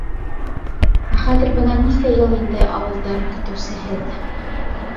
Ә хәҙер бына нисә йыл инде ауылдар көтөүсеһеҙ.